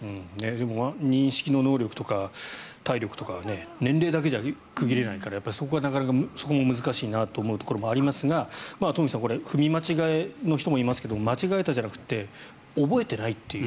でも認知機能能力とか体力は年齢だけじゃ区切れないからそこも難しいなと思うところもありますが東輝さん、踏み間違えの人もいますが、間違えたじゃなくて覚えてないっていう。